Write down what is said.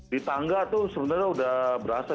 di tangga itu sebenarnya sudah berasa